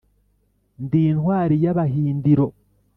Ndi intwari y'Abahindiro